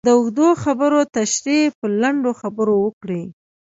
د اوږدو خبرو تشرېح په لنډو خبرو وکړئ.